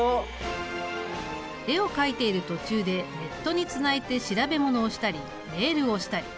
絵を描いている途中でネットにつないで調べ物をしたりメールをしたり。